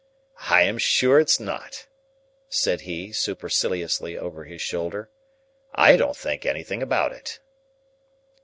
"I am sure it's not," said he, superciliously over his shoulder; "I don't think anything about it."